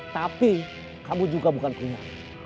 tapi kamu juga bukan rumah